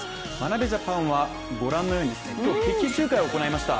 眞鍋ジャパンはご覧のように今日、決起集会を行いました。